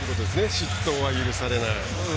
失投は許されない。